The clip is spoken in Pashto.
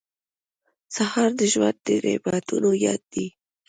سهار د ژوند د نعمتونو یاد دی.